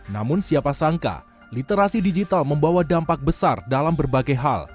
namun siapa sangka literasi digital membawa dampak besar dalam berbagai hal